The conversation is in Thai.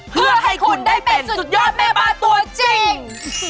เพื่อให้คุณได้เป็นสุดยอดแม่บ้านตัวจริง